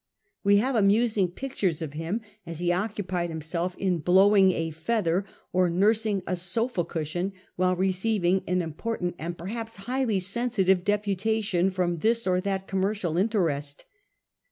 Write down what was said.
We have amusing pictures of him as he occupied himself in blowing a feather or nursing a sofa cushion while receiving an important and perhaps highly sensitive deputation from this or that com mercial 'interest.